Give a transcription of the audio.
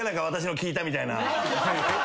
私の聞いたみたいな。